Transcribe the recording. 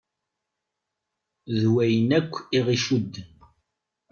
D wayen akk i ɣ-icudden.